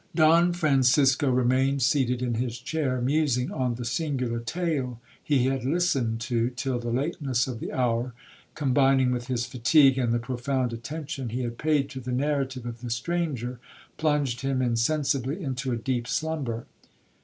'Don Francisco remained seated in his chair, musing on the singular tale he had listened to, till the lateness of the hour, combining with his fatigue, and the profound attention he had paid to the narrative of the stranger, plunged him insensibly into a deep slumber.